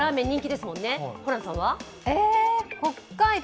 北海道？